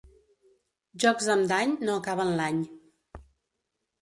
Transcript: Jocs amb dany no acaben l'any.